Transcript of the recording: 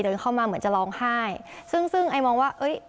เดินเข้ามาเหมือนจะร้องไห้ซึ่งซึ่งไอมองว่าเอ้ย